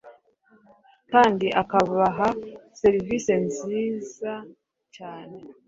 kandi akabaha serivisi nziza cyane